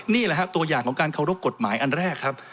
นี่แหละครับตัวอย่างของการเคารพกฎหมายอันแรกครับ